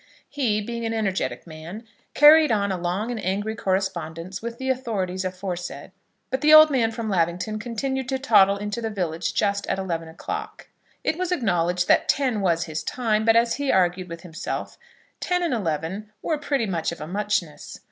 He, being an energetic man, carried on a long and angry correspondence with the authorities aforesaid; but the old man from Lavington continued to toddle into the village just at eleven o'clock. It was acknowledged that ten was his time; but, as he argued with himself, ten and eleven were pretty much of a muchness.